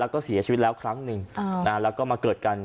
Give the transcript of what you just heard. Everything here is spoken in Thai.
แล้วก็เสียชีวิตแล้วครั้งหนึ่งแล้วก็มาเกิดกัน